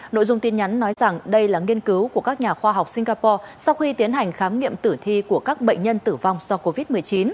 nội dung tin nhắn nói rằng đây là nghiên cứu của các nhà khoa học singapore sau khi tiến hành khám nghiệm tử thi của các bệnh nhân tử vong do covid một mươi chín